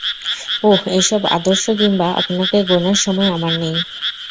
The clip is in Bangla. ওহ, এসব আদর্শ কিংবা আপনাকে গোণার সময় আমার নেই।